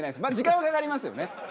まあ時間はかかりますよね。